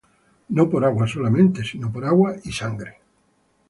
no por agua solamente, sino por agua y sangre.